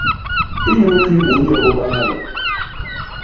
Inyukii u nyobba hala?